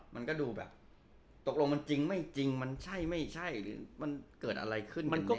มันก็ดูแบบตกลงมันจริงไม่จริงมันใช่ไม่ใช่หรือมันเกิดอะไรขึ้น